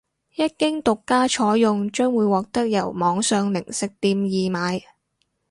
一經獨家採用將會獲得由網上零食店易買